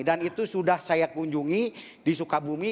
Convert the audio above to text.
dan itu sudah saya kunjungi di sukabumi